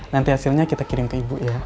nanti hasilnya kita kirim ke ibu ya